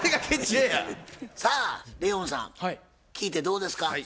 さあレオンさん聞いてどうですか？